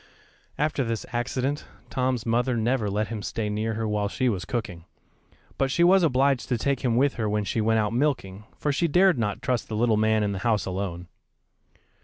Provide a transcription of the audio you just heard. After this accident, Tom's mother never let him stay near her while she was cooking, but she was obliged to take him with her when she went out milking, for she dared not trust the little man in the house alone.